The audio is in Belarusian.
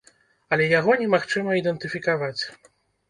Але яго немагчыма ідэнтыфікаваць.